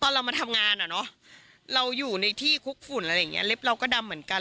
ตอนเรามาทำงานเราอยู่ในที่คุกฝุ่นเล็บเราก็ดำเหมือนกัน